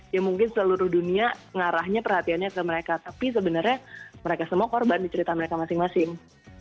ya mungkin seluruh dunia ngarahnya perhatiannya ke mereka tapi sebenarnya mereka semua korban di cerita mereka masing masing